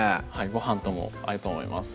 ごはんとも合うと思います